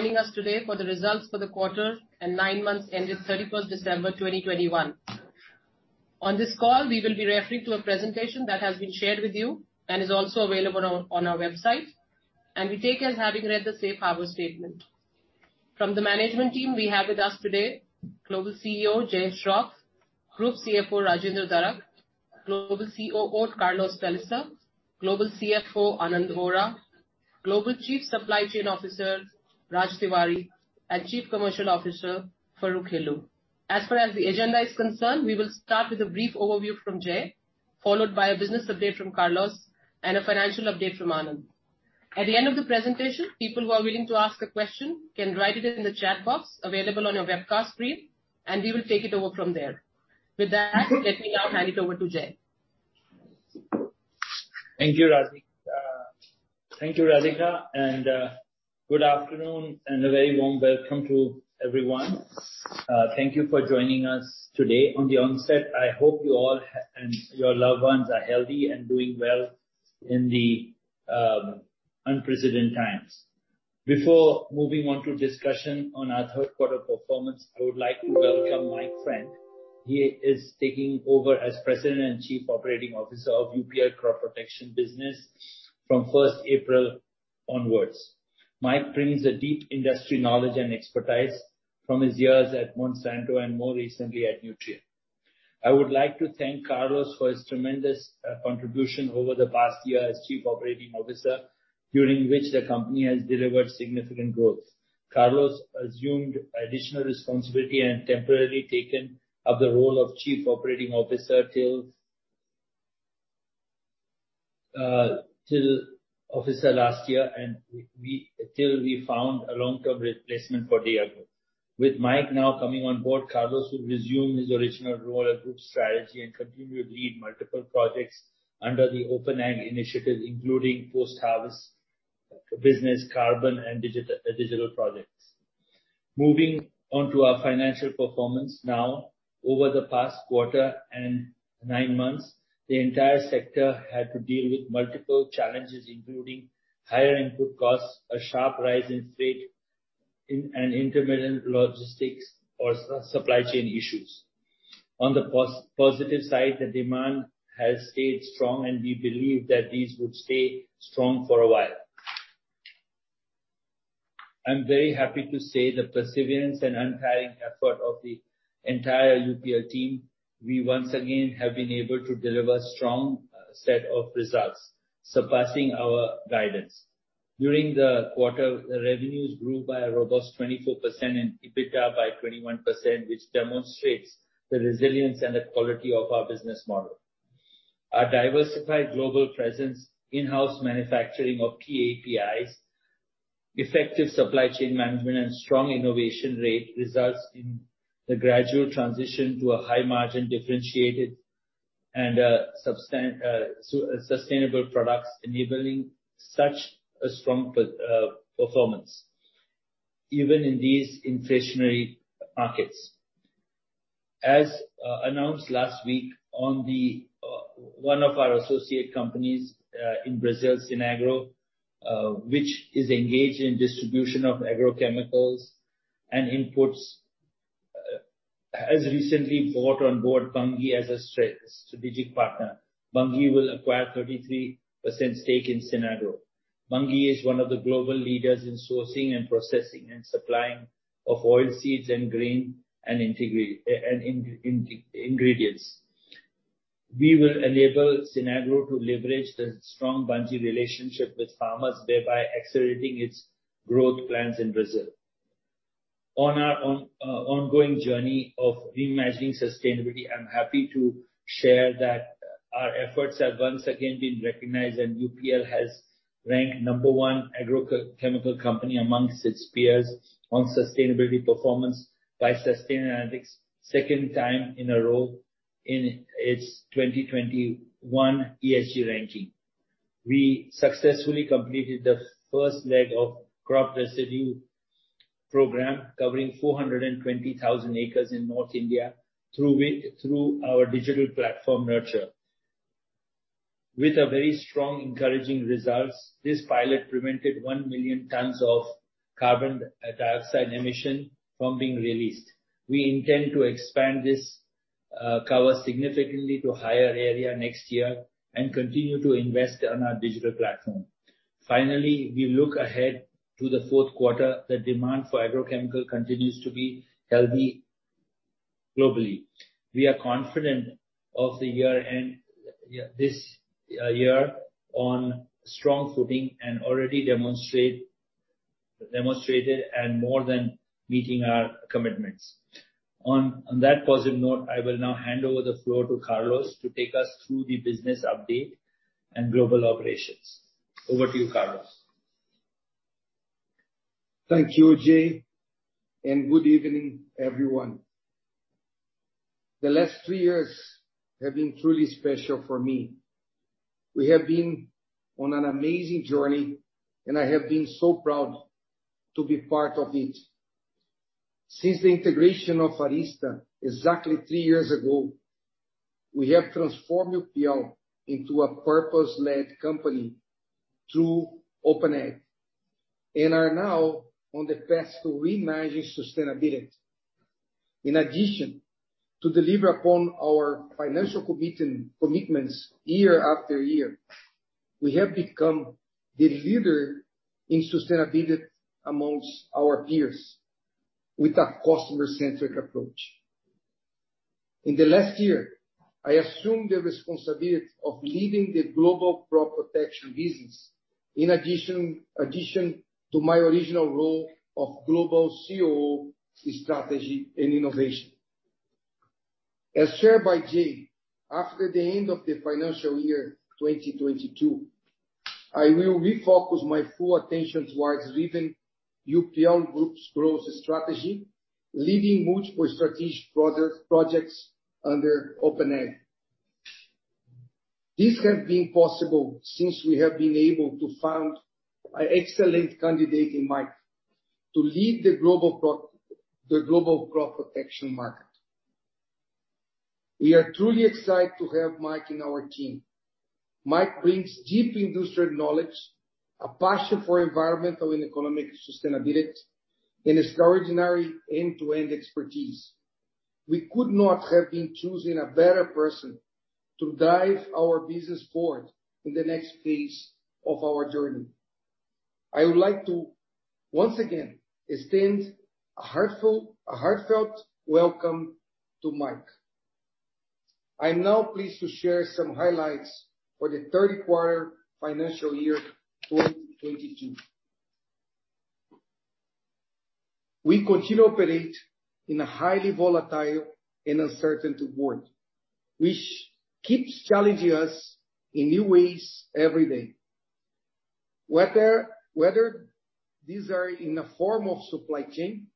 Joining us today for the results for the quarter and nine months ending 31st December 2021. On this call, we will be referring to a presentation that has been shared with you and is also available on our website. We take it as having read the safe harbor statement. From the management team, we have with us today Global CEO Jai Shroff, Group CFO Rajendra Darak, Global COO Carlos Pellicer, Global CFO Anand Vora, Global Chief Supply Chain Officer Raj Tiwari, and Chief Commercial Officer Farokh Hilloo. As far as the agenda is concerned, we will start with a brief overview from Jai, followed by a business update from Carlos and a financial update from Anand. At the end of the presentation, people who are willing to ask a question can write it in the chat box available on your webcast screen, and we will take it over from there. With that, let me now hand it over to Jai. Thank you, Radhika, and good afternoon and a very warm welcome to everyone. Thank you for joining us today. On the onset, I hope you all and your loved ones are healthy and doing well in the unprecedented times. Before moving on to discussion on our 3/4 performance, I would like to welcome Mike Frank. He is taking over as President and Chief Operating Officer of UPL Crop Protection business from first April onwards. Mike brings a deep industry knowledge and expertise from his years at Monsanto and more recently at Nutrien. I would like to thank Carlos for his tremendous contribution over the past year as Chief Operating Officer, during which the company has delivered significant growth. Carlos assumed additional responsibility and temporarily taken up the role of Chief Operating Officer till last year and we. Until we found a long-term replacement. With Mike now coming on board, Carlos will resume his original role at Group Strategy and continue to lead multiple projects under the OpenAg initiative, including post-harvest business, carbon and digital projects. Moving on to our financial performance now. Over the past quarter and nine months, the entire sector had to deal with multiple challenges, including higher input costs, a sharp rise in freight and intermittent logistics or supply chain issues. On the positive side, the demand has stayed strong, and we believe that these would stay strong for a while. I'm very happy to say, the perseverance and untiring effort of the entire UPL team, we once again have been able to deliver strong set of results, surpassing our guidance. During the quarter, the revenues grew by a robust 24% and EBITDA by 21%, which demonstrates the resilience and the quality of our business model. Our diversified global presence, in-house manufacturing of AIs, effective supply chain management and strong innovation rate results in the gradual transition to a high margin differentiated and sustainable products enabling such a strong performance, even in these inflationary markets. As announced last week, one of our associate companies in Brazil, Sinagro, which is engaged in distribution of agrochemicals and inputs, has recently brought on board Bunge as a strategic partner. Bunge will acquire 33% stake in Sinagro. Bunge is one of the global leaders in sourcing and processing and supplying of oilseeds and grain and ingredients. We will enable Sinagro to leverage the strong Bunge relationship with farmers, thereby accelerating its growth plans in Brazil. On our ongoing journey of reimagining sustainability, I'm happy to share that our efforts have once again been recognized and UPL has ranked number one agrochemical company amongst its peers on sustainability performance by Sustainalytics second time in a row in its 2021 ESG ranking. We successfully completed the first leg of crop residue program covering 420,000 acres in North India through our digital platform, Nurture. With a very strong encouraging results, this pilot prevented 1 million tons of carbon dioxide emission from being released. We intend to expand this cover significantly to higher area next year and continue to invest on our digital platform. Finally, we look ahead to the fourth quarter. The demand for agrochemical continues to be healthy globally. We are confident of the year-end this year on strong footing and already demonstrated and more than meeting our commitments. On that positive note, I will now hand over the floor to Carlos to take us through the business update and global operations. Over to you, Carlos. Thank you, Jai, and good evening, everyone. The last three years have been truly special for me. We have been on an amazing journey, and I have been so proud to be part of it. Since the integration of Arysta exactly three years ago, we have transformed UPL into a purpose-led company through OpenAg and are now on the path to reimagine sustainability. In addition to deliver upon our financial commitments year after year, we have become the leader in sustainability amongst our peers with a customer-centric approach. In the last year, I assumed the responsibility of leading the global crop protection business in addition to my original role of global COO for strategy and innovation. As shared by Jai, after the end of the financial year 2022, I will refocus my full attention towards leading UPL Group's growth strategy, leading multiple strategic projects under OpenAg. This has been possible since we have been able to find an excellent candidate in Mike to lead the global crop protection market. We are truly excited to have Mike in our team. Mike brings deep industry knowledge, a passion for environmental and economic sustainability, and extraordinary end-to-end expertise. We could not have been choosing a better person to drive our business forward in the next phase of our journey. I would like to once again extend a heartfelt welcome to Mike. I'm now pleased to share some highlights for the 3/4 FY 2022. We continue to operate in a highly volatile and uncertain world, which keeps challenging us in new ways every day. Whether these are in the form of supply chain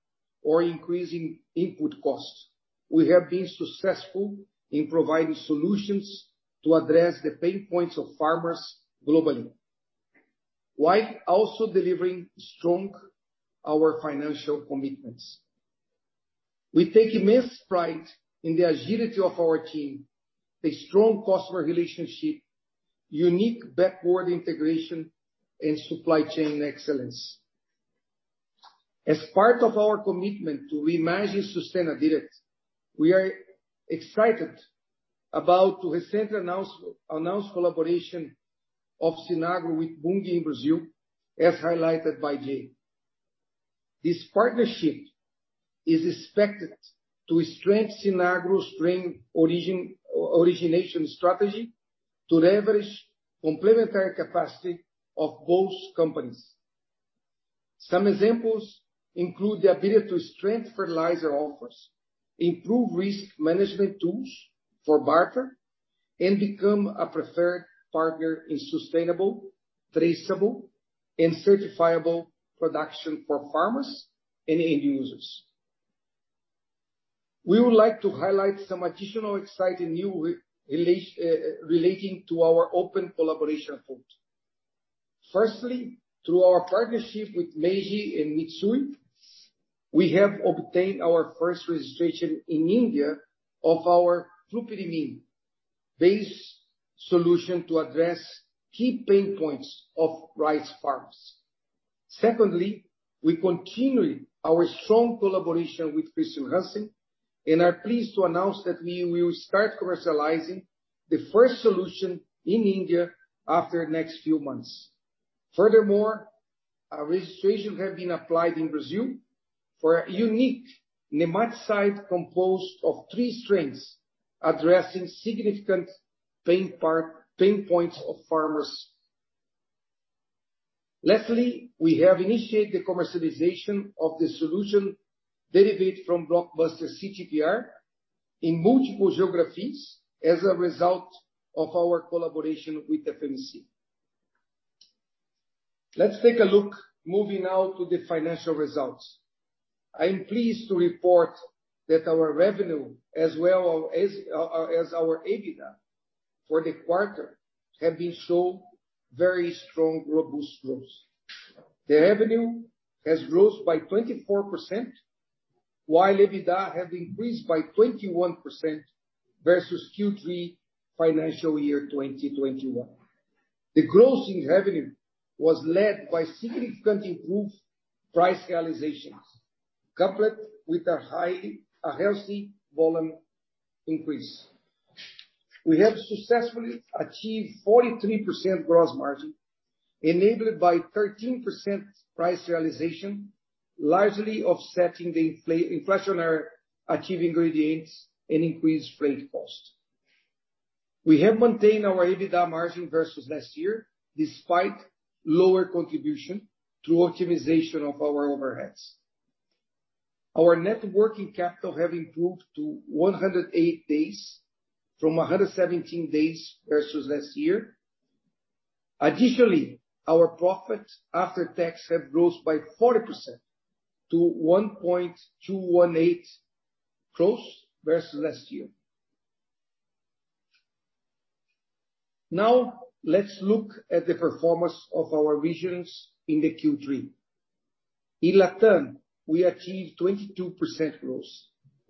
or increasing input costs, we have been successful in providing solutions to address the pain points of farmers globally, while also delivering strong our financial commitments. We take immense pride in the agility of our team, the strong customer relationship, unique backward integration, and supply chain excellence. As part of our commitment to reimagine sustainability, we are excited about the recent announced collaboration of Sinagro with Bunge in Brazil, as highlighted by Jai. This partnership is expected to strengthen Sinagro's grain origination strategy to leverage complementary capacity of both companies. Some examples include the ability to strengthen fertilizer offers, improve risk management tools for barter, and become a preferred partner in sustainable, traceable, and certifiable production for farmers and end users. We would like to highlight some additional exciting new relating to our open collaboration front. Firstly, through our partnership with Meiji and Mitsui, we have obtained our first registration in India of our flupyrimin-based solution to address key pain points of rice farmers. Secondly, we continue our strong collaboration with Chr. Hansen and are pleased to announce that we will start commercializing the first solution in India after next few months. Furthermore, our registration have been applied in Brazil for a unique nematicide composed of three strains addressing significant pain points of farmers. Lastly, we have initiated the commercialization of the solution derivative from Blockbuster CTPR in multiple geographies as a result of our collaboration with FMC. Let's take a look moving now to the financial results. I am pleased to report that our revenue as well as our EBITDA for the quarter have shown very strong, robust growth. The revenue has grown by 24%, while EBITDA have increased by 21% versus Q3 financial year 2021. The growth in revenue was led by significantly improved price realizations, coupled with a healthy volume increase. We have successfully achieved 43% gross margin, enabled by 13% price realization, largely offsetting the inflationary active ingredients and increased freight cost. We have maintained our EBITDA margin versus last year, despite lower contribution through optimization of our overheads. Our net working capital have improved to 108 days from 117 days versus last year. Additionally, our profit after tax have grown by 40% to 1.218 gross versus last year. Now let's look at the performance of our regions in the Q3. In LATAM, we achieved 22% growth,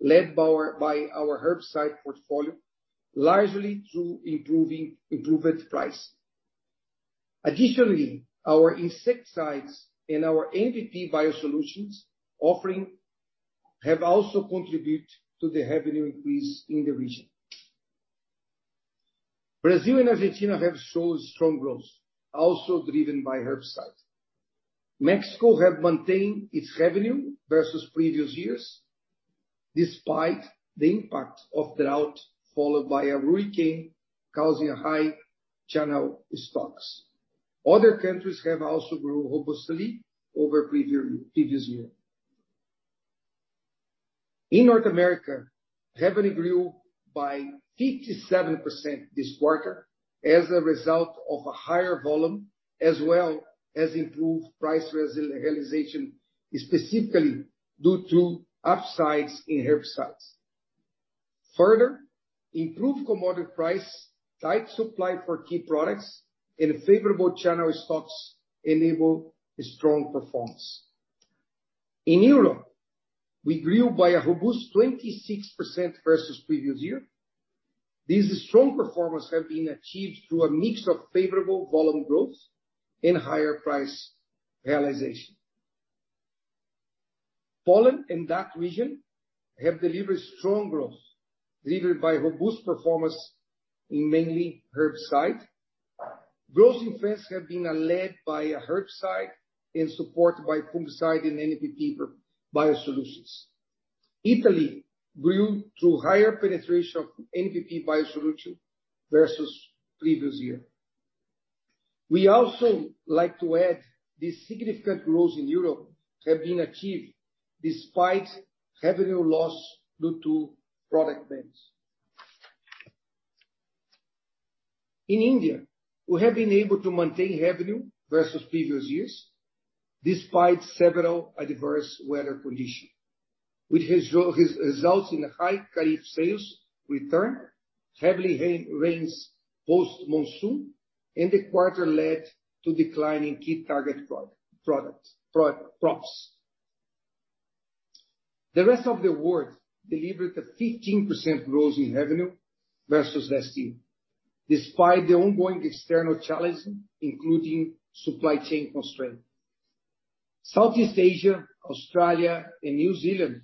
led by our herbicide portfolio, largely through improved price. Additionally, our insecticides and our NPP biosolutions offering have also contribute to the revenue increase in the region. Brazil and Argentina have shown strong growth, also driven by herbicides. Mexico have maintained its revenue versus previous years, despite the impact of drought followed by a hurricane causing high channel stocks. Other countries have also grown robustly over previous year. In North America, revenue grew by 57% this quarter as a result of a higher volume as well as improved price realization, specifically due to upsides in herbicides. Further, improved commodity price, tight supply for key products, and favorable channel stocks enable a strong performance. In Europe, we grew by a robust 26% versus previous year. This strong performance have been achieved through a mix of favorable volume growth and higher price realization. Poland and DACH region have delivered strong growth, delivered by robust performance in mainly herbicide. Growth in France have been led by a herbicide in support by fungicide and NPP biosolutions. Italy grew through higher penetration of NPP biosolution versus previous year. We also like to add the significant growth in Europe have been achieved despite revenue loss due to product bans. In India, we have been able to maintain revenue versus previous years despite several adverse weather conditions, which has resulted in high Kharif sales returns, heavy rains post-monsoon, and the quarter led to decline in key target products, crops. The rest of the world delivered a 15% growth in revenue versus last year, despite the ongoing external challenges, including supply chain constraints. Southeast Asia, Australia, and New Zealand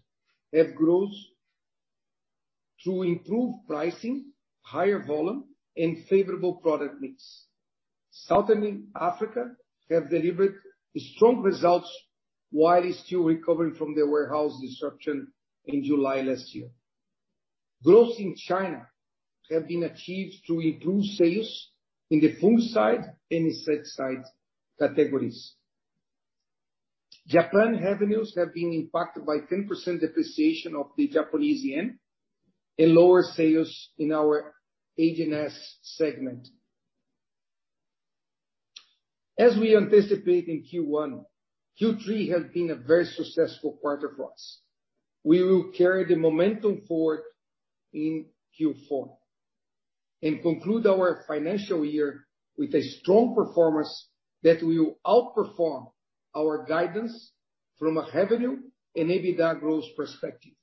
have growth through improved pricing, higher volume, and favorable product mix. Southern Africa have delivered strong results while it's still recovering from the warehouse disruption in July last year. Growth in China have been achieved through improved sales in the fungicide and insecticide categories. Japan revenues have been impacted by 10% depreciation of the Japanese yen and lower sales in our AGNS segment. As we anticipated in Q1, Q3 has been a very successful quarter for us. We will carry the momentum forward in Q4 and conclude our financial year with a strong performance that will outperform our guidance from a revenue and EBITDA growth perspective.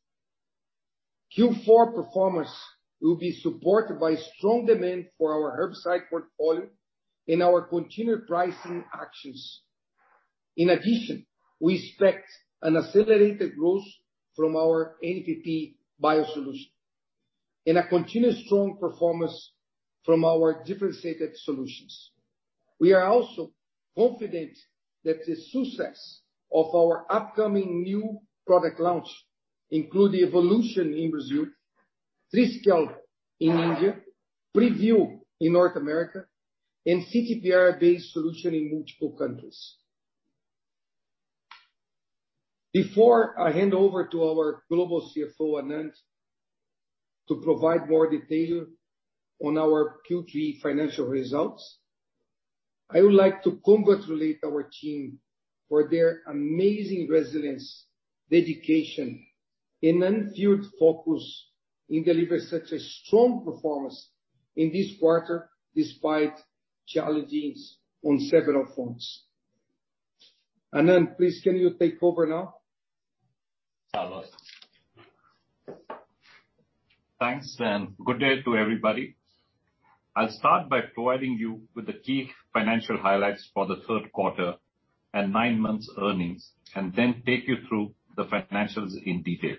Q4 performance will be supported by strong demand for our herbicide portfolio and our continued pricing actions. In addition, we expect an accelerated growth from our NPP biosolution and a continuous strong performance from our differentiated solutions. We are also confident that the success of our upcoming new product launch include Evolution in Brazil, Trishul in India, Preview in North America, and CTPR-based solution in multiple countries. Before I hand over to our global CFO, Anand, to provide more detail on our Q3 financial results, I would like to congratulate our team for their amazing resilience, dedication, and unwavering focus in delivering such a strong performance in this quarter despite challenges on several fronts. Anand, please can you take over now? Thanks, and good day to everybody. I'll start by providing you with the key financial highlights for the 3/4 and nine months earnings, and then take you through the financials in detail.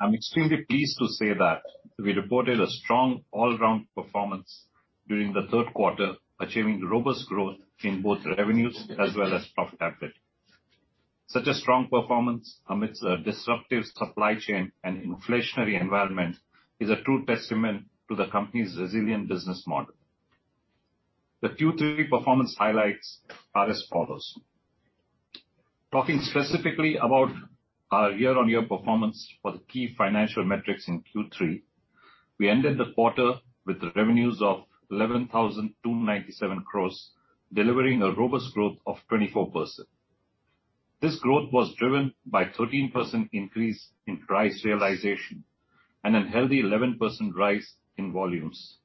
I'm extremely pleased to say that we reported a strong all-round performance during the 3/4, achieving robust growth in both revenues as well as profitability. Such a strong performance amidst a disruptive supply chain and inflationary environment is a true testament to the company's resilient business model. The Q3 performance highlights are as follows. Talking specifically about our year-on-year performance for the key financial metrics in Q3, we ended the quarter with revenues of 11,297 crores, delivering a robust growth of 24%. This growth was driven by 13% increase in price realization and a healthy 11% rise in volumes.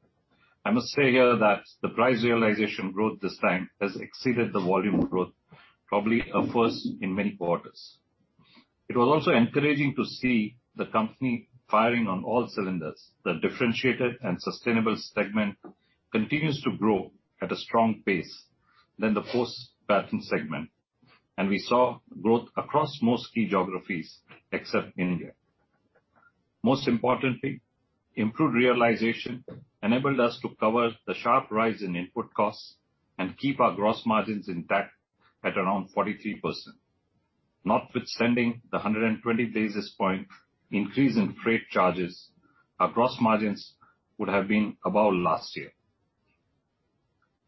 I must say here that the price realization growth this time has exceeded the volume growth, probably a first in many quarters. It was also encouraging to see the company firing on all cylinders. The differentiated and sustainable segment continues to grow at a stronger pace than the post-patent segment, and we saw growth across most key geographies except India. Most importantly, improved realization enabled us to cover the sharp rise in input costs and keep our gross margins intact at around 43%. Notwithstanding the 120 basis point increase in freight charges, our gross margins would have been about last year.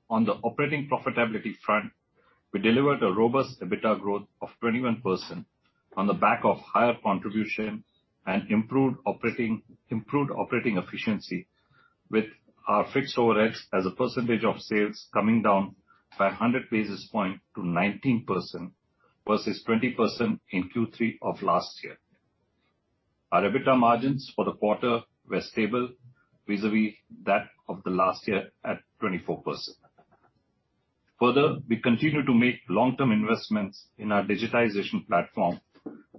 On the operating profitability front, we delivered a robust EBITDA growth of 21% on the back of higher contribution and improved operating efficiency with our fixed overheads as a percentage of sales coming down by 100 basis points to 19% versus 20% in Q3 of last year. Our EBITDA margins for the quarter were stable vis-a-vis that of the last year at 24%. Further, we continue to make long-term investments in our digitization platform,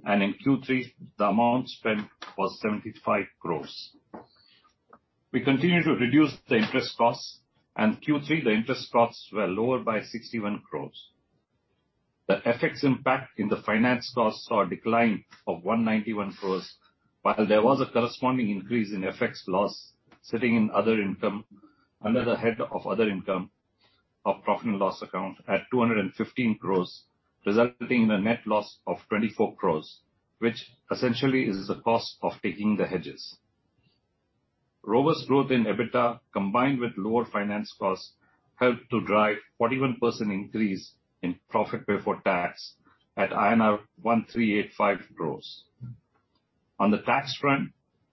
and in Q3, the amount spent was 75 crores. We continue to reduce the interest costs, and Q3, the interest costs were lower by 61 crores. The FX impact in the finance costs saw a decline of 191 crores, while there was a corresponding increase in FX loss sitting in other income, under the head of other income of profit and loss account at 215 crores, resulting in a net loss of 24 crores, which essentially is the cost of taking the hedges. Robust growth in EBITDA, combined with lower finance costs, helped to drive 41% increase in profit before tax at INR 1,385 crores. On the tax front,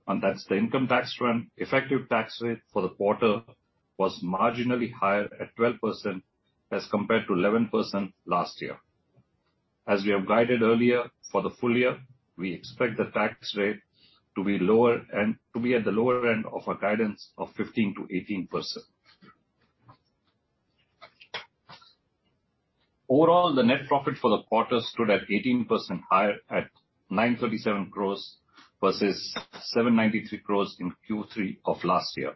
and that's the income tax front, effective tax rate for the quarter was marginally higher at 12% as compared to 11% last year. As we have guided earlier for the full year, we expect the tax rate to be lower and to be at the lower end of our guidance of 15%-18%. Overall, the net profit for the quarter stood at 18% higher at 937 crore versus 793 crore in Q3 of last year.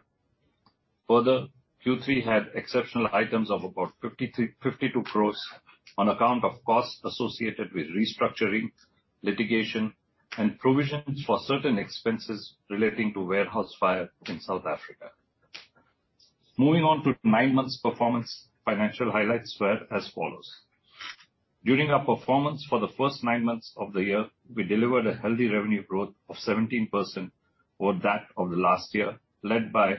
Further, Q3 had exceptional items of about 52 crore on account of costs associated with restructuring, litigation, and provisions for certain expenses relating to warehouse fire in South Africa. Moving on to nine months performance, financial highlights were as follows. During our performance for the first 9 months of the year, we delivered a healthy revenue growth of 17% over that of the last year, led by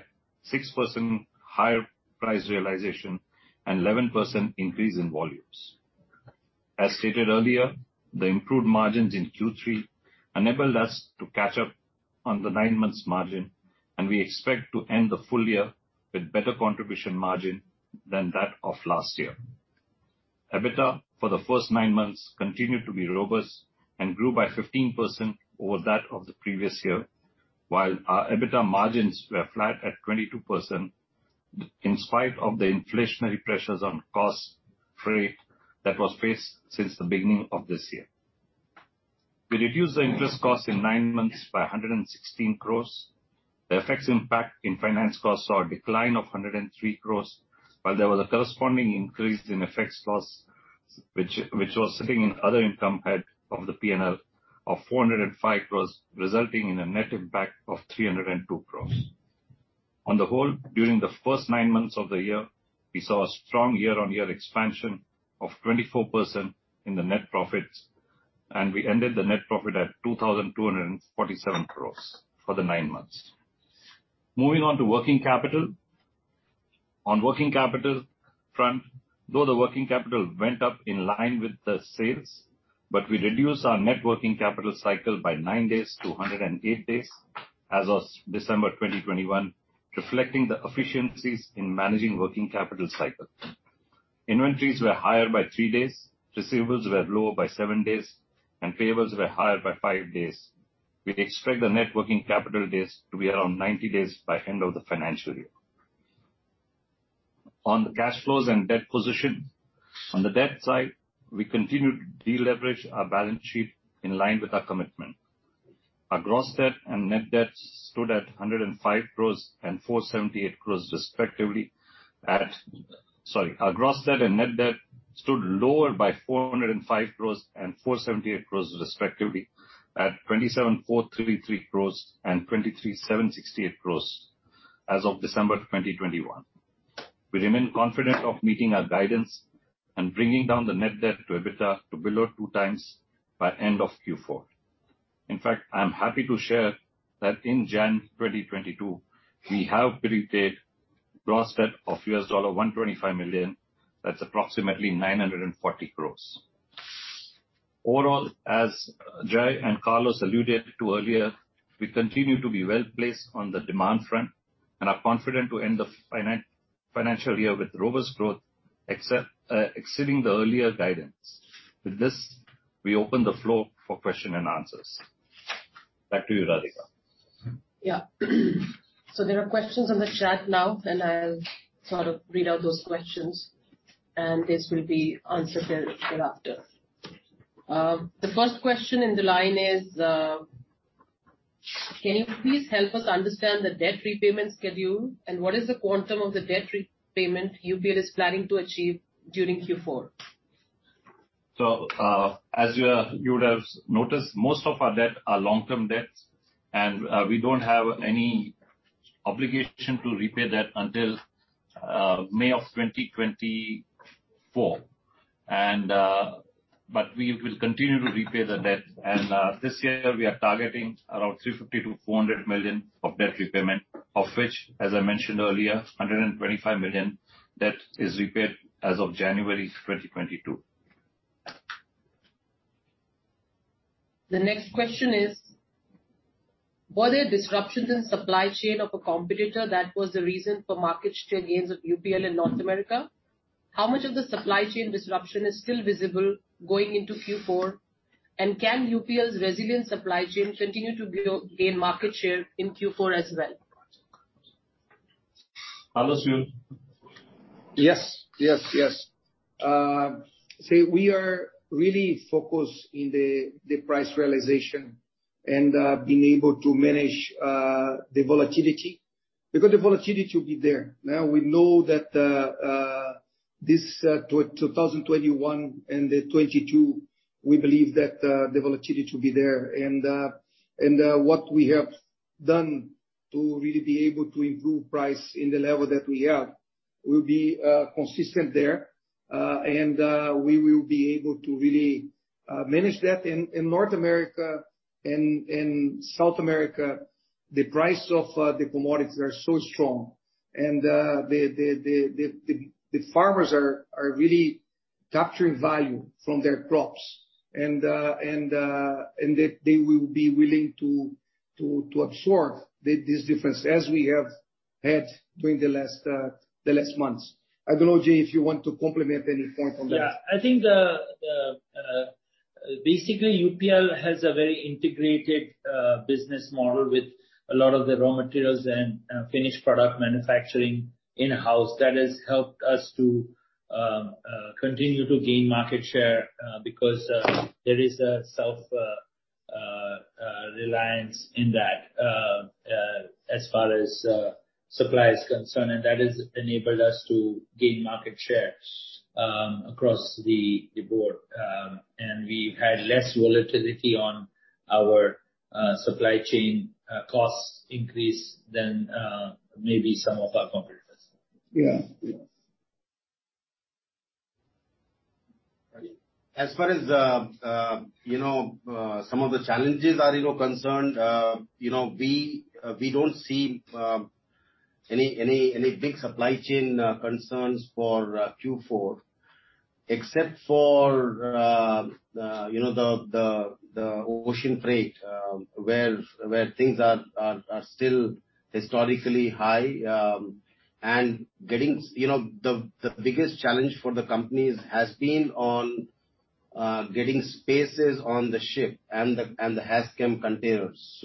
6% higher price realization and 11% increase in volumes. As stated earlier, the improved margins in Q3 enabled us to catch up on the nine months margin, and we expect to end the full year with better contribution margin than that of last year. EBITDA for the first nine months continued to be robust and grew by 15% over that of the previous year, while our EBITDA margins were flat at 22% in spite of the inflationary pressures on costs, freight that was faced since the beginning of this year. We reduced the interest costs in nine months by 116 crores. The FX impact in finance costs saw a decline of 103 crores, while there was a corresponding increase in FX costs which was sitting in other income head of the P&L of 405 crores, resulting in a net impact of 302 crores. On the whole, during the first nine months of the year, we saw a strong year-on-year expansion of 24% in the net profits, and we ended the net profit at 2,247 crores for the nine months. Moving on to working capital. On working capital front, though the working capital went up in line with the sales, but we reduced our net working capital cycle by nine days to 108 days as of December 2021, reflecting the efficiencies in managing working capital cycle. Inventories were higher by three days, receivables were lower by seven days, and payables were higher by five days. We expect the net working capital days to be around 90 days by end of the financial year. On the cash flows and debt position. On the debt side, we continue to deleverage our balance sheet in line with our commitment. Our gross debt and net debt stood lower by 405 crores and 478 crores respectively at 27.33 crores and 23.68 crores as of December 2021. We remain confident of meeting our guidance and bringing down the net debt to EBITDA to below 2x by end of Q4. In fact, I am happy to share that in January 2022, we have repaid gross debt of $125 million. That's approximately 940 crores. Overall, as Jai and Carlos alluded to earlier, we continue to be well-placed on the demand front and are confident to end the finan- financial year with robust growth exceeding the earlier guidance. With this, we open the floor for questions and answers. Back to you, Radhika. Yeah. There are questions on the chat now, and I'll sort of read out those questions, and this will be answered thereafter. The first question in the line is, can you please help us understand the debt repayment schedule and what is the quantum of the debt repayment UPL is planning to achieve during Q4? As you are, you would have noticed, most of our debt are long-term debts and we don't have any obligation to repay debt until May 2024. We will continue to repay the debt. This year, we are targeting around 350 million-400 million of debt repayment, of which, as I mentioned earlier, 125 million debt is repaid as of January 2022. The next question is, were there disruptions in supply chain of a competitor that was the reason for market share gains of UPL in North America? How much of the supply chain disruption is still visible going into Q4? Can UPL's resilient supply chain continue to gain market share in Q4 as well? Carlos, you want to. Yes. Yes, yes. We are really focused in the price realization and being able to manage the volatility, because the volatility will be there. Now we know that this 2021 and the 2022, we believe that the volatility will be there. What we have done to really be able to improve price in the level that we have will be consistent there. We will be able to really manage that. In North America and South America, the price of the commodities are so strong and the farmers are really capturing value from their crops, and they will be willing to absorb this difference as we have had during the last months. I don't know, Jai, if you want to comment on any point on that. Yeah. I think basically UPL has a very integrated business model with a lot of the raw materials and finished product manufacturing in-house that has helped us to continue to gain market share because there is a self-reliance in that as far as supply is concerned. That has enabled us to gain market share across the board. We've had less volatility on our supply chain costs increase than maybe some of our competitors. Yeah. Yeah. As far as some of the challenges are concerned, we don't see any big supply chain concerns for Q4, except for the ocean freight where things are still historically high and getting. You know, the biggest challenge for the companies has been on getting spaces on the ship and the Hazchem containers.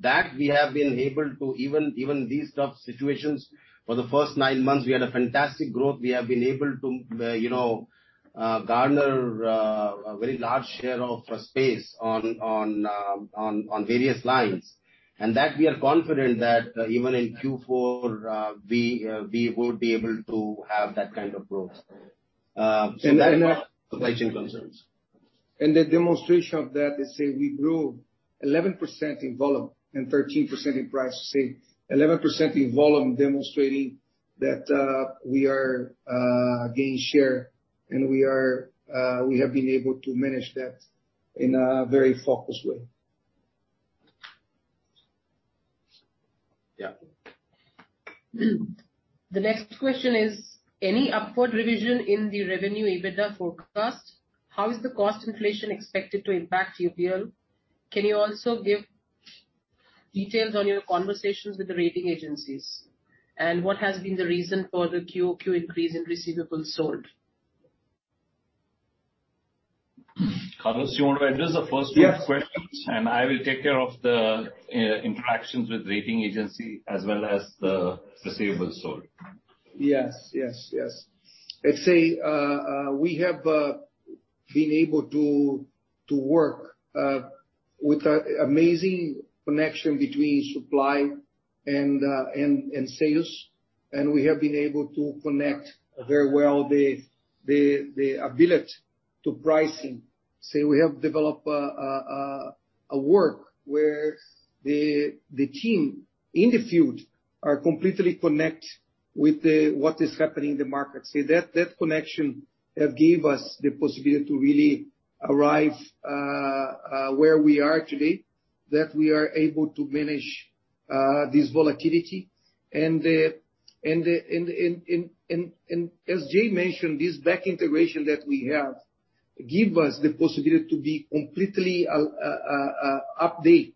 That we have been able to even in these tough situations, for the first nine months we had a fantastic growth. We have been able to garner a very large share of space on various lines. that we are confident that even in Q4, we would be able to have that kind of growth. There are no supply chain concerns. The demonstration of that is say we grew 11% in volume and 13% in price. Say 11% in volume demonstrating that, we are, we have been able to manage that in a very focused way. Yeah. The next question is, any upward revision in the revenue EBITDA forecast? How is the cost inflation expected to impact UPL? Can you also give details on your conversations with the rating agencies? What has been the reason for the QOQ increase in receivables sold? Carlos, you want to address the first three questions. Yes. I will take care of the interactions with rating agency as well as the receivables sold. Yes. Let's say we have been able to work with an amazing connection between supply and sales, and we have been able to connect very well the ability to pricing. Say we have developed a work where the team in the field are completely connect with what is happening in the market. See that connection have gave us the possibility to really arrive where we are today, that we are able to manage this volatility. The, as Jai mentioned, this backward integration that we have given us the possibility to be completely up to date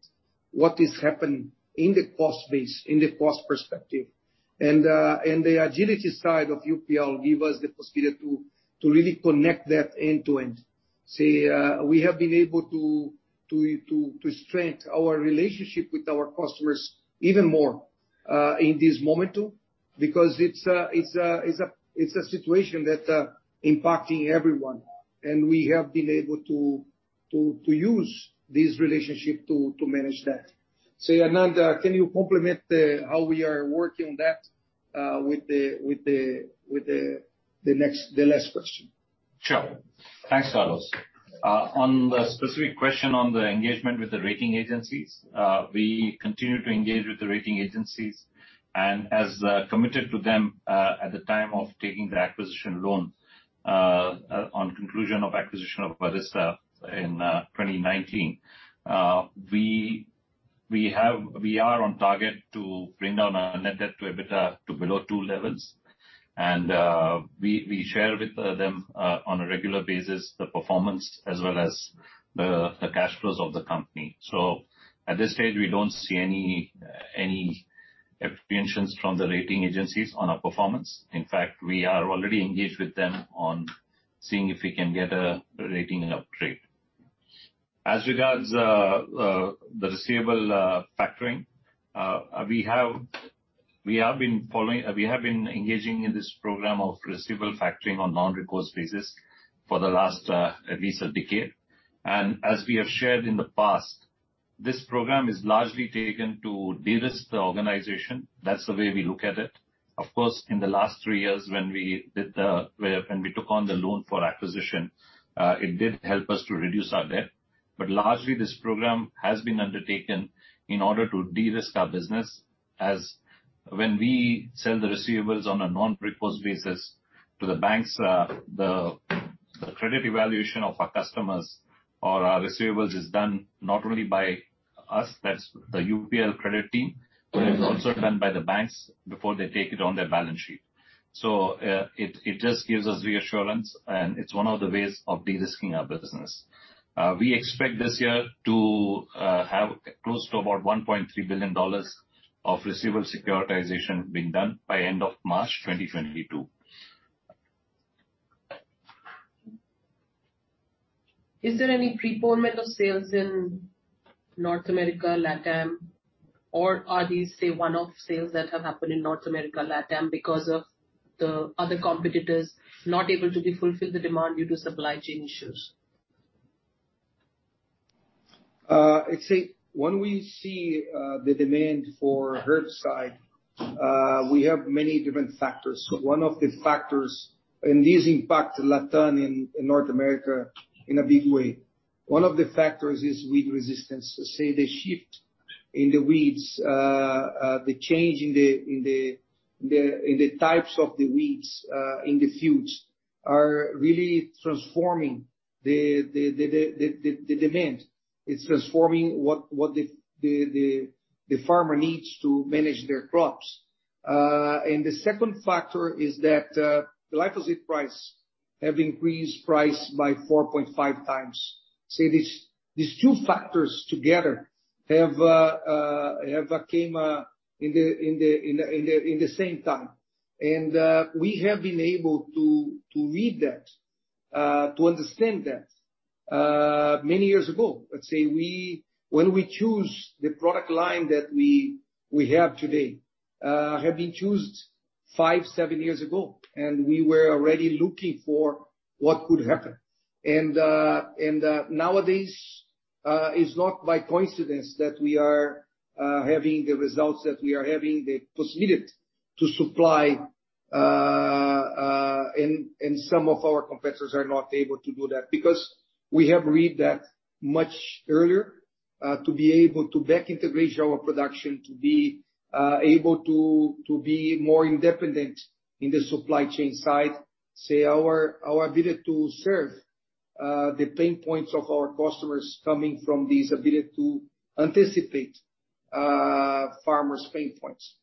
what is happening in the cost base, in the cost perspective. The agility side of UPL gives us the possibility to really connect that end to end. Say, we have been able to strengthen our relationship with our customers even more in this momentum because it's a situation that impacting everyone and we have been able to use this relationship to manage that. Anand, can you complement how we are working on that with the last question? Sure. Thanks, Carlos. On the specific question on the engagement with the rating agencies, we continue to engage with the rating agencies. As committed to them at the time of taking the acquisition loan, on conclusion of acquisition of Arysta in 2019, we are on target to bring down our net debt to EBITDA to below two levels. We share with them on a regular basis the performance as well as the cash flows of the company. At this stage, we don't see any apprehensions from the rating agencies on our performance. In fact, we are already engaged with them on seeing if we can get a rating upgrade. As regards the receivable factoring, we have been engaging in this program of receivable factoring on non-recourse basis for the last at least a decade. As we have shared in the past, this program is largely taken to de-risk the organization. That's the way we look at it. Of course, in the last three years, when we took on the loan for acquisition, it did help us to reduce our debt. Largely, this program has been undertaken in order to de-risk our business, as when we sell the receivables on a non-recourse basis to the banks, the credit evaluation of our customers or our receivables is done not only by us, that's the UPL credit team, but it's also done by the banks before they take it on their balance sheet. It just gives us reassurance, and it's one of the ways of de-risking our business. We expect this year to have close to about $1.3 billion of receivable securitization being done by end of March 2022. Is there any prepayment of sales in North America, LatAm? Or are these, say, one-off sales that have happened in North America, LatAm because of the other competitors not able to fulfill the demand due to supply chain issues? I'd say when we see the demand for herbicide, we have many different factors. One of the factors, this impacts LatAm and North America in a big way. One of the factors is weed resistance. Such as the shift in the weeds, the change in the types of the weeds in the fields are really transforming the demand. It's transforming what the farmer needs to manage their crops. The second factor is that glyphosate prices have increased by 4.5 times. These two factors together have come in the same time. We have been able to read ahead to understand that many years ago. Let's say when we choose the product line that we have today have been chosen 5-7 years ago, and we were already looking for what could happen. Nowadays, it's not by coincidence that we are having the results that we are having, the possibility to supply and some of our competitors are not able to do that, because we have read ahead much earlier to be able to back integrate our production, to be able to be more independent in the supply chain side. So our ability to serve the pain points of our customers coming from this ability to anticipate farmers' pain points.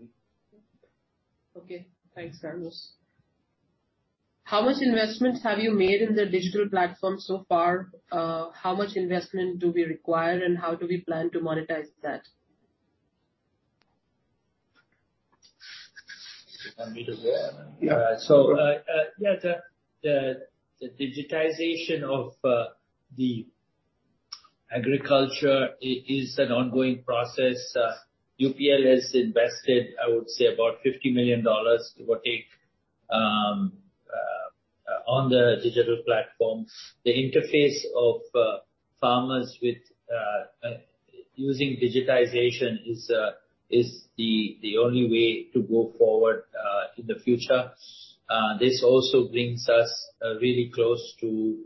Anand. Okay. Thanks, Carlos. How much investments have you made in the digital platform so far? How much investment do we require and how do we plan to monetize that? You want me to go, Anand? Yeah. Digitization of the agriculture is an ongoing process. UPL has invested, I would say, about $50 million to take on the digital platform. The interface of farmers with using digitization is the only way to go forward in the future. This also brings us really close to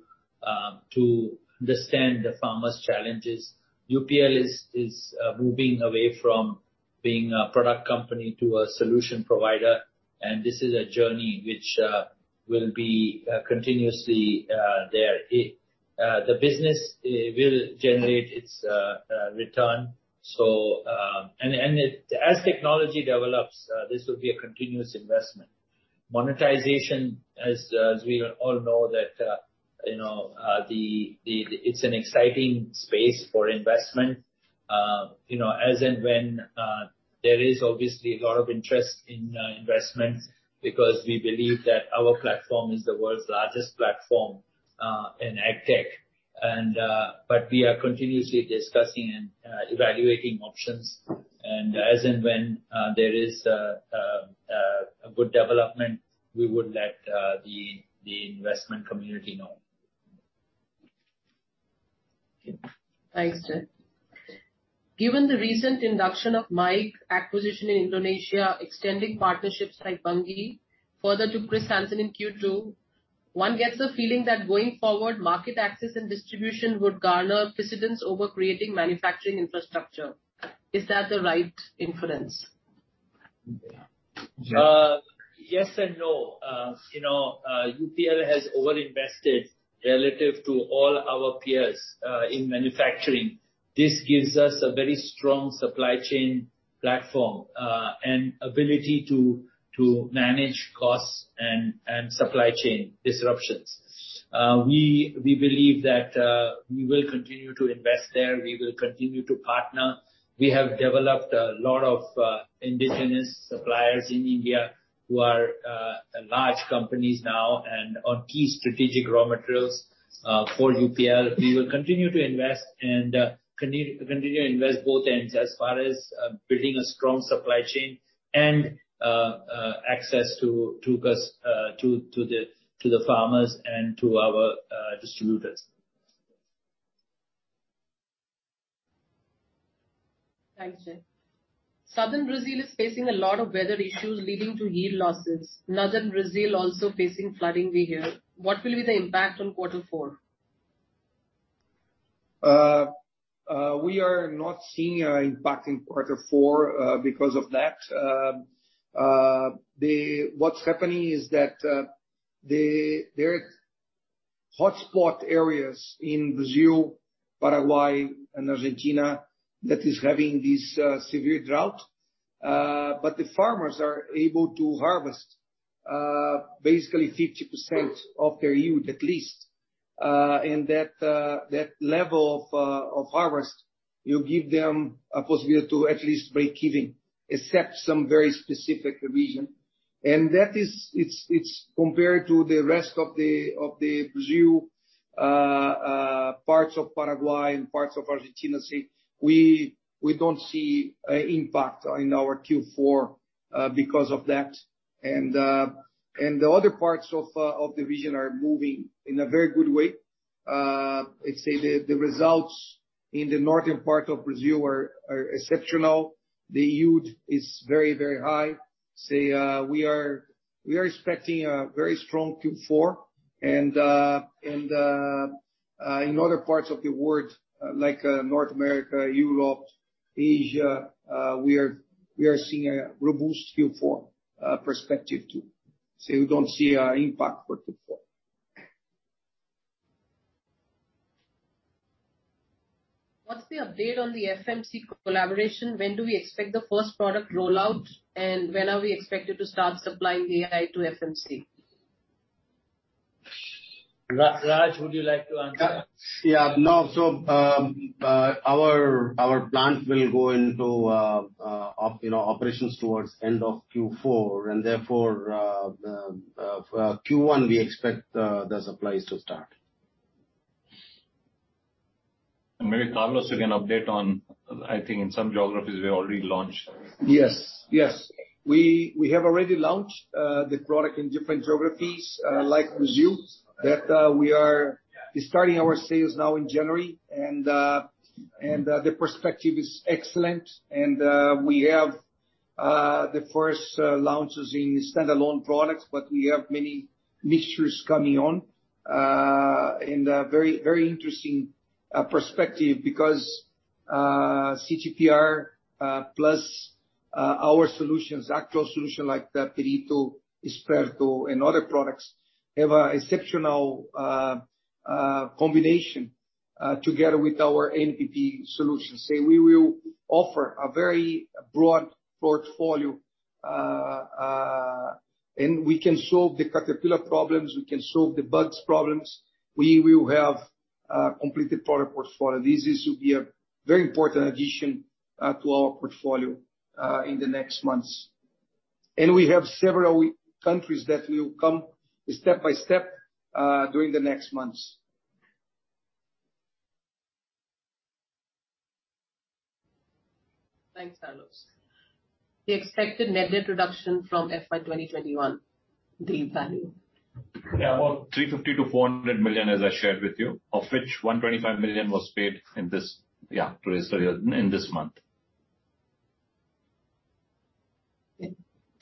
understand the farmers' challenges. UPL is moving away from being a product company to a solution provider. This is a journey which will be continuously there. The business, it will generate its return. As technology develops, this will be a continuous investment. Monetization, as we all know that, you know, it's an exciting space for investment. You know, as and when there is obviously a lot of interest in investment because we believe that our platform is the world's largest platform in AgTech. We are continuously discussing and evaluating options. As and when there is a good development, we would let the investment community know. Thanks, Jai. Given the recent induction of Mike, acquisition in Indonesia, extending partnerships like Bunge, further to Chr. Hansen in Q2, one gets the feeling that going forward, market access and distribution would garner precedence over creating manufacturing infrastructure. Is that the right inference? Yes and no. You know, UPL has over-invested relative to all our peers in manufacturing. This gives us a very strong supply chain platform and ability to manage costs and supply chain disruptions. We believe that we will continue to invest there. We will continue to partner. We have developed a lot of indigenous suppliers in India who are large companies now and on key strategic raw materials for UPL. We will continue to invest and continue to invest both ends as far as building a strong supply chain and access to the farmers and to our distributors. Thanks, Jai. Southern Brazil is facing a lot of weather issues leading to yield losses. Northern Brazil is also facing flooding we hear. What will be the impact on quarter four? We are not seeing an impact in quarter four because of that. What's happening is that there is hotspot areas in Brazil, Paraguay and Argentina that is having this severe drought. But the farmers are able to harvest basically 50% of their yield at least. That level of harvest will give them a possibility to at least break even, except some very specific region. That is, it's compared to the rest of the Brazil, parts of Paraguay and parts of Argentina. See, we don't see impact in our Q4 because of that. The other parts of the region are moving in a very good way. Let's say the results in the northern part of Brazil are exceptional. The yield is very, very high. Say, we are expecting a very strong Q4 and in other parts of the world, like North America, Europe, Asia, we are seeing a robust Q4 perspective too. We don't see an impact for Q4. What's the update on the FMC collaboration? When do we expect the first product rollout, and when are we expected to start supplying AI to FMC? Raj, would you like to answer that? Yeah. No. Our plant will go into, you know, operations towards end of Q4, and therefore, Q1 we expect the supplies to start. Maybe Carlos will give an update on, I think, in some geographies we already launched. Yes. We have already launched the product in different geographies like Brazil that we are starting our sales now in January. The perspective is excellent. We have the first launches in standalone products, but we have many mixtures coming on. A very interesting perspective because CTPR plus our solutions, actual solution like the Perito, Experto and other products have an exceptional combination together with our NPP solutions. So we will offer a very broad portfolio and we can solve the caterpillar problems, we can solve the bugs problems. We will have a complete product portfolio. This is to be a very important addition to our portfolio in the next months. We have several countries that will come step by step during the next months. Thanks, Carlos. The expected net debt reduction from FY 2021, the value. About $350 million-$400 million, as I shared with you, of which $125 million was paid this year in this month.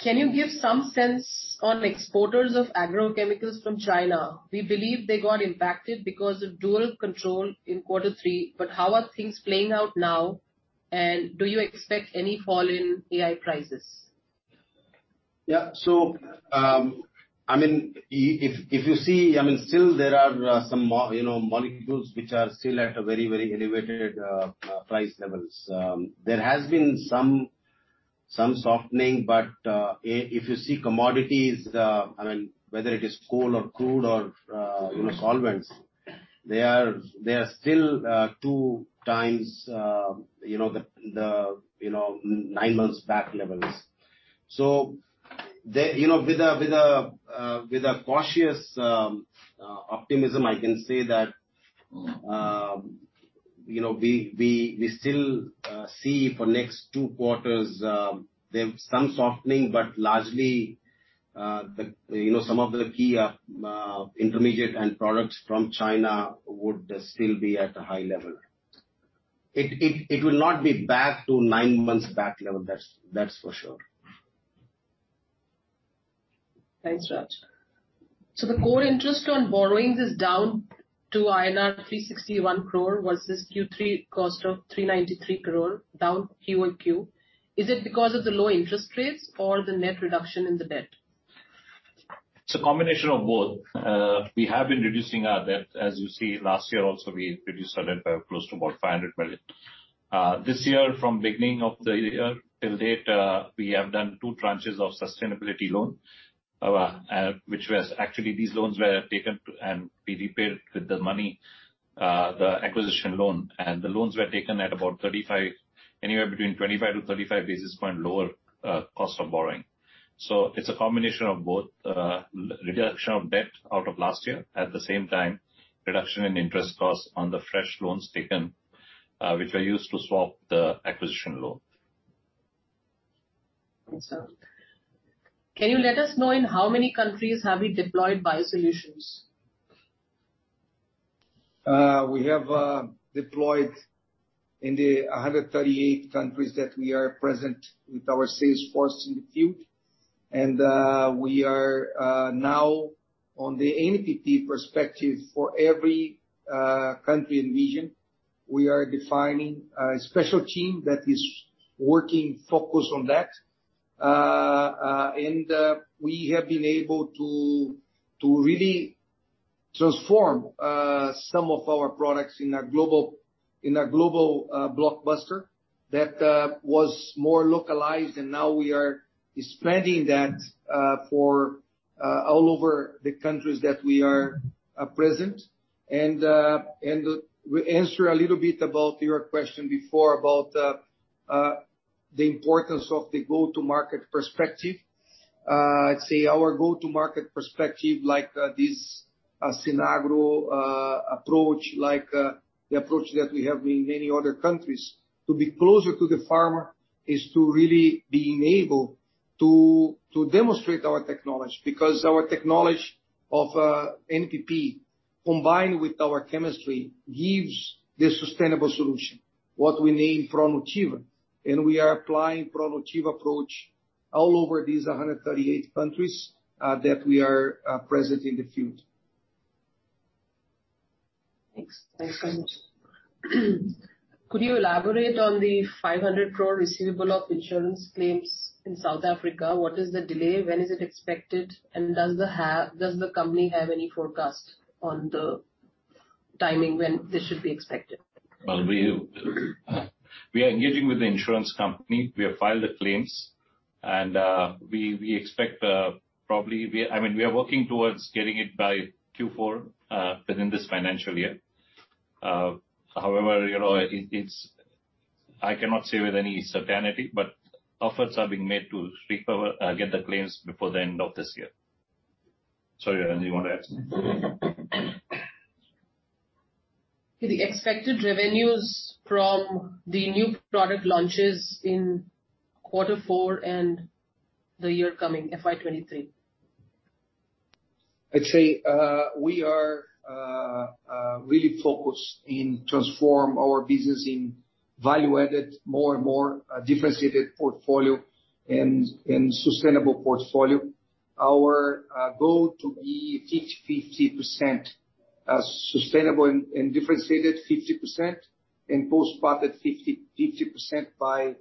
Can you give some sense on exporters of agrochemicals from China? We believe they got impacted because of dual control in quarter three, but how are things playing out now? Do you expect any fall in AI prices? If you see, I mean still there are some molecules which are still at a very, very elevated price levels. There has been some softening, but if you see commodities, I mean, whether it is coal or crude or, you know, solvents, they are still two times, you know, the nine months back levels. With a cautious optimism, I can say that, you know, we still see for next two quarters there some softening, but largely, you know, some of the key intermediates and products from China would still be at a high level. It will not be back to nine months back level, that's for sure. Thanks, Raj. The core interest on borrowings is down to INR 361 crore versus Q3 cost of 393 crore, down Q over Q. Is it because of the low interest rates or the net reduction in the debt? It's a combination of both. We have been reducing our debt. As you see, last year also we reduced our debt by close to about $500 million. This year, from beginning of the year till date, we have done two tranches of sustainability loan. Actually, these loans were taken to, and we repaid with the money the acquisition loan. The loans were taken at about 35 anywhere between 25-35 basis points lower cost of borrowing. It's a combination of both, reduction of debt out of last year, at the same time, reduction in interest costs on the fresh loans taken, which were used to swap the acquisition loan. Thanks, Raj. Can you let us know in how many countries have you deployed biosolutions? We have deployed in the 138 countries that we are present with our sales force in the field. We are now on the NPP perspective, for every country and region, we are defining a special team that is working focused on that. We have been able to really transform some of our products in a global blockbuster that was more localized, and now we are expanding that for all over the countries that we are present. Answer a little bit about your question before about the importance of the go-to-market perspective. I'd say our go-to-market perspective like, this, Sinagro, approach, like, the approach that we have in many other countries, to be closer to the farmer is to really being able to demonstrate our technology. Because our technology of, NPP, combined with our chemistry, gives the sustainable solution, what we name Produtiva. We are applying Produtiva approach all over these 138 countries, that we are present in the field. Thanks. Thanks so much. Could you elaborate on the 500 crore receivable of insurance claims in South Africa? What is the delay? When is it expected? And does the company have any forecast on the timing when this should be expected? Well, we are engaging with the insurance company. We have filed the claims. We expect, probably, I mean, we are working towards getting it by Q4 within this financial year. However, you know, I cannot say with any certainty, but efforts are being made to get the claims before the end of this year. Sorry, Raj, do you want to add something? The expected revenues from the new product launches in quarter four and the coming year, FY 2023. I'd say, we are really focused on transforming our business into value-added more and more, a differentiated portfolio and sustainable portfolio. Our goal to be 50/50%, sustainable and differentiated 50% and post-patent 50% by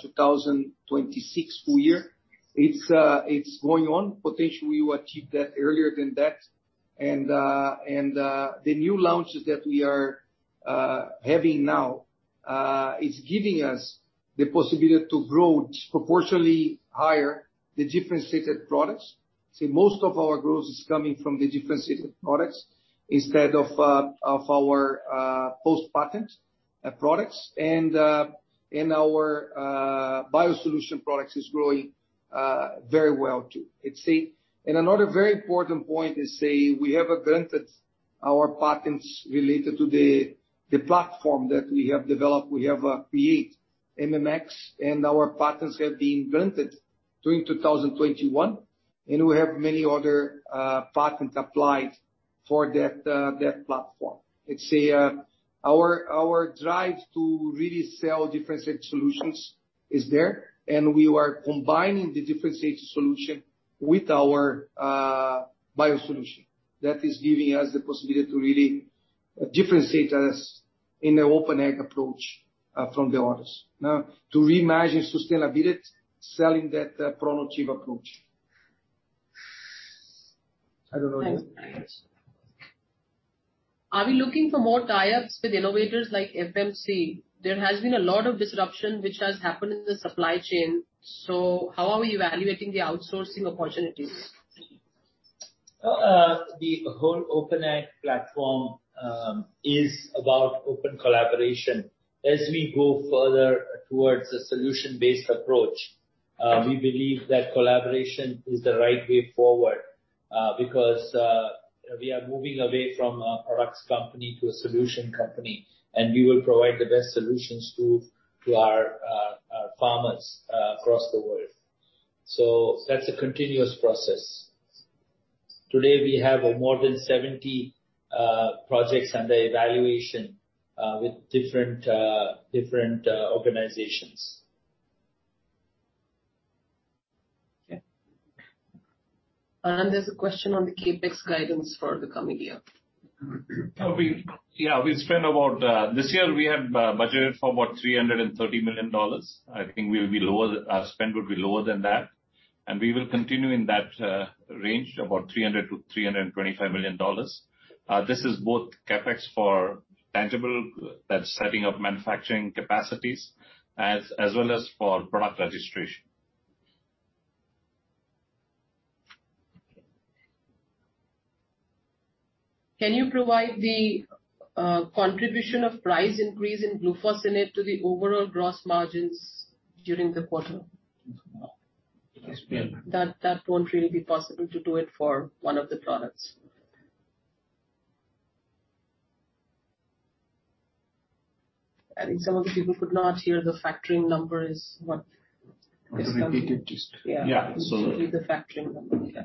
2026 full year. It's going on. Potentially we achieve that earlier than that. The new launches that we are having now is giving us the possibility to grow disproportionately higher the differentiated products. See, most of our growth is coming from the differentiated products instead of our post-patent products. Our biosolution products is growing very well, too. I'd say. Another very important point is we have granted our patents related to the platform that we have developed. We have V10X MMX, and our patents have been granted during 2021, and we have many other patents applied for that platform. I'd say our drive to really sell differentiated solutions is there, and we are combining the differentiated solution with our biosolution. That is giving us the possibility to really differentiate us in the OpenAg approach from the others. Now to reimagine sustainability, selling that productive approach. I don't know. Thanks. Are we looking for more tie-ups with innovators like FMC? There has been a lot of disruption which has happened in the supply chain. How are we evaluating the outsourcing opportunities? The whole OpenAg platform is about open collaboration. As we go further towards a solution-based approach, we believe that collaboration is the right way forward, because we are moving away from a products company to a solution company, and we will provide the best solutions to our farmers across the world. That's a continuous process. Today, we have more than 70 projects under evaluation with different organizations. Okay. There's a question on the CapEx guidance for the coming year. We spend about $330 million. This year we have budgeted for about $330 million. I think we'll be lower. Our spend will be lower than that. We will continue in that range, about $300-$325 million. This is both CapEx for tangible, that's setting up manufacturing capacities, as well as for product registration. Can you provide the contribution of price increase in glufosinate to the overall gross margins during the quarter? Explain that. That won't really be possible to do it for one of the products. I think some of the people could not hear the factoring number is what. Wanna repeat it just. Yeah. Yeah. Give the factoring number. Yeah.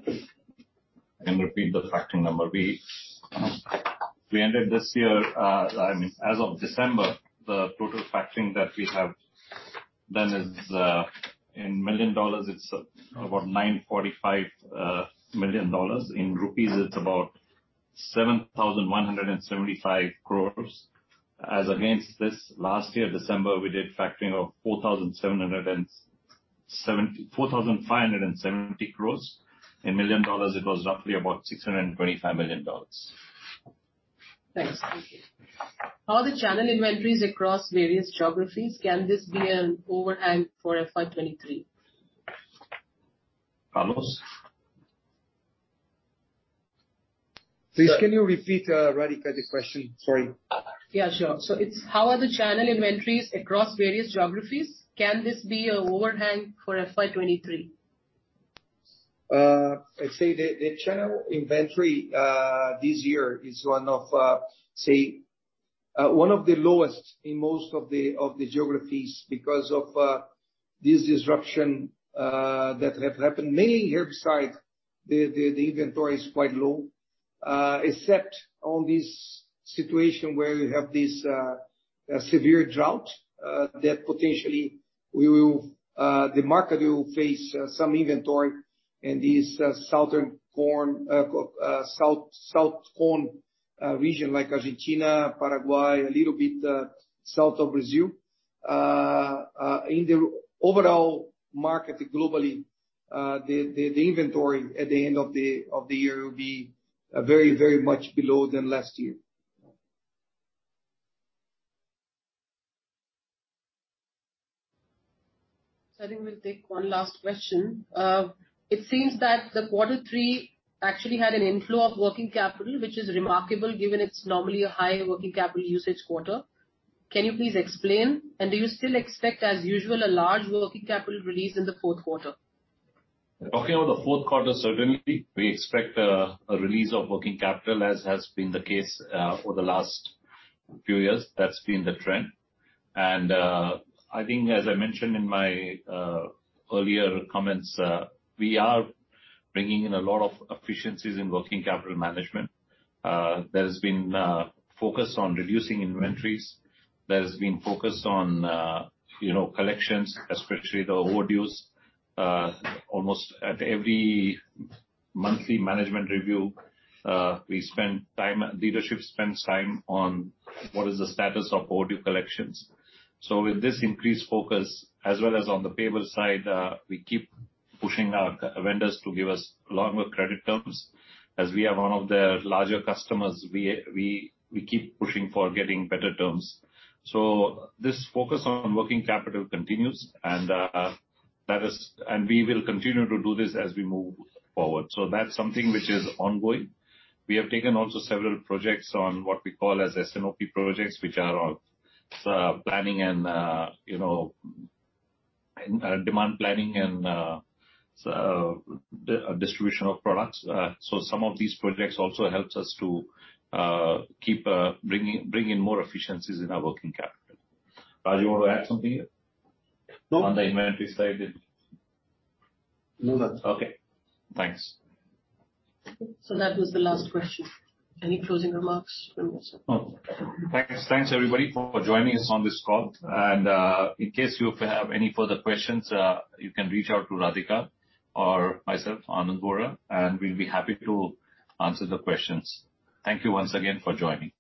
I can repeat the factoring number. We ended this year, I mean, as of December, the total factoring that we have done is in million dollars it's about $945 million. In rupees it's about 7,175 crores. As against this last year, December, we did factoring of 4,570 crores. In million dollars it was roughly about $625 million. Thanks. How are the channel inventories across various geographies? Can this be an overhang for FY 2023? Carlos? Please, can you repeat, Radhika, the question? Sorry. Yeah, sure. It's how are the channel inventories across various geographies? Can this be an overhang for FY 2023? I'd say the channel inventory this year is one of the lowest in most of the geographies because of this disruption that have happened. Many herbicides, the inventory is quite low. Except in this situation where you have this severe drought that potentially the market will face some inventory in these southern corn, south corn region like Argentina, Paraguay, a little bit south of Brazil. In the overall market globally, the inventory at the end of the year will be very much below than last year. I think we'll take one last question. It seems that the quarter three actually had an inflow of working capital, which is remarkable given it's normally a high working capital usage quarter. Can you please explain? Do you still expect, as usual, a large working capital release in the fourth quarter? Talking about the fourth quarter, certainly we expect a release of working capital, as has been the case for the last few years. That's been the trend. I think as I mentioned in my earlier comments, we are bringing in a lot of efficiencies in working capital management. There has been focus on reducing inventories. There has been focus on, you know, collections, especially the overdues. Almost at every monthly management review, leadership spends time on what is the status of overdue collections. With this increased focus, as well as on the payable side, we keep pushing our vendors to give us longer credit terms. As we are one of their larger customers, we keep pushing for getting better terms. This focus on working capital continues and that is. We will continue to do this as we move forward. That's something which is ongoing. We have taken also several projects on what we call as S&OP projects, which are of planning and demand planning and distribution of products. Some of these projects also helps us to keep bringing more efficiencies in our working capital. Raj, you wanna add something here? No. On the inventory side? No, that's it. Okay. Thanks. That was the last question. Any closing remarks from your side? Thanks. Thanks, everybody for joining us on this call. In case you have any further questions, you can reach out to Radhika or myself, Anand Vora, and we'll be happy to answer the questions. Thank you once again for joining.